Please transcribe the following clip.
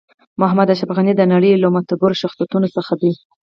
محمد اشرف غنی د نړۍ یو له معتبرو شخصیتونو څخه ده .